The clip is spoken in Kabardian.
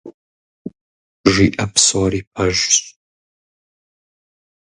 Жиӏэ псори пэжщ.